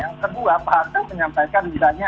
yang kedua pak haruna menjelaskan